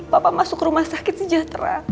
bapak masuk rumah sakit sejahtera